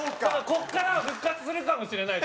ここから復活するかもしれない。